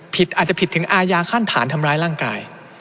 อาจจะผิดถึงอายาขั้นฐานทำร้ายร่างกาย